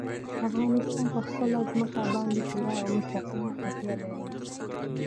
افغانستان په خپله ځمکه باندې پوره او مستقیمه تکیه لري.